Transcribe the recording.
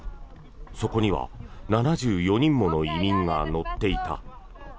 そこには７４人もの移民が乗っていた。